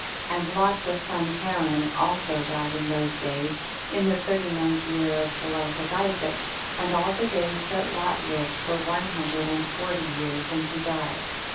22. And Lot the son Haran also died in those days, in the thirty ninth year of the life of Isaac, and all the days that Lot lived were one hundred and forty years and he died, 23.